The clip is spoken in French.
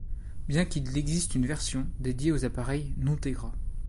Bien qu'il existe une version dédiée aux appareils non-Tegra.